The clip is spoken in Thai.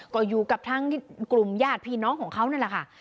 ก็อยู่กับทั้งกลุ่มญาติพี่น้องของเขานั่นแหละค่ะ